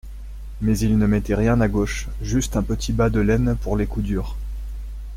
mais il ne mettait rien à gauche, juste un petit bas de laine pour les coups durs.